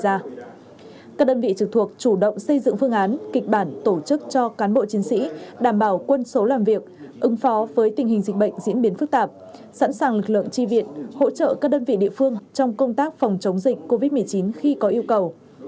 các đơn vị trực thuộc chủ động xây dựng phương án kịch bản tổ chức cho cán bộ chiến sĩ đảm bảo quân số làm việc ứng phó với tình hình dịch bệnh diễn biến phức tạp sẵn sàng lực lượng tri viện hỗ trợ các đơn vị địa phương trong công tác phòng chống dịch covid một mươi chín khi có yêu cầu